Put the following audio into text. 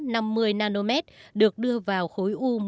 năm mươi nm được đưa vào khối u